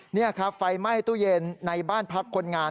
นี่ครับไฟไหม้ตู้เย็นในบ้านพักคนงาน